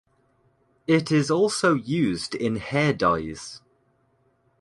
It is also used in hair dyes.